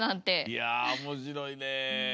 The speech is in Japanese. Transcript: いやおもしろいね。